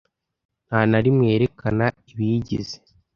nta na rimwe yerekana ibiyigize